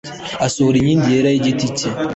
asohora inkingi yera y igiti cye